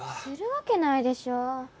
するわけないでしょ。